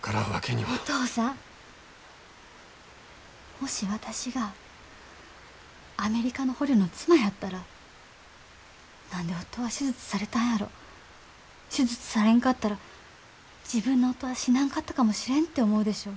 もし私がアメリカの捕虜の妻やったら「なんで夫は手術されたんやろう？手術されんかったら自分の夫は死なんかったかもしれん」って思うでしょう。